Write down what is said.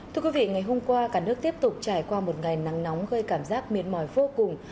thưa quý vị ngày hôm qua cả nước tiếp tục trải qua một ngày nắng nóng gây cảm giác miệt mỏi vô cùng